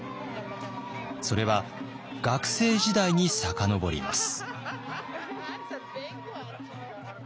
それは学生時代に遡ります。